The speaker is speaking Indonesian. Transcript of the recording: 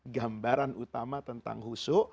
gambaran utama tentang husu